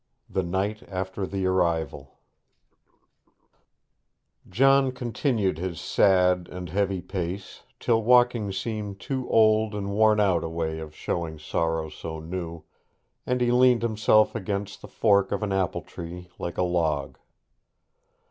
THE NIGHT AFTER THE ARRIVAL John continued his sad and heavy pace till walking seemed too old and worn out a way of showing sorrow so new, and he leant himself against the fork of an apple tree like a log.